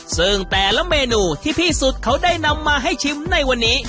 ซึ่งแต่ละเมนูที่พี่สุดเขาได้นำมาให้ชิมในวันนี้